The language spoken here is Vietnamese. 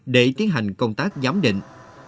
để tiến hành công tác giám định